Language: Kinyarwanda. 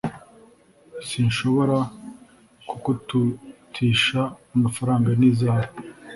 Sinhobora kukurutisha amafaranga n’izahabu